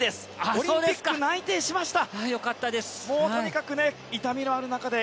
オリンピック内定しました。